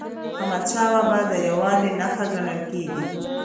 احمدشاه بابا د یووالي نښه ګڼل کېږي.